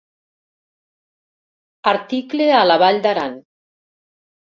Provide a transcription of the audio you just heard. Article a la vall d'Aran.